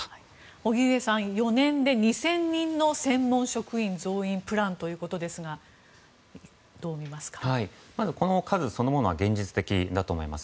荻上さん、４年で２０００人の専門職員増員プランですがこの数そのものは現実的だと思います。